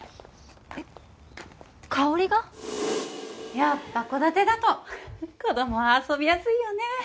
やっぱ戸建てだと子供は遊びやすいよね。